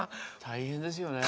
大変ですよね。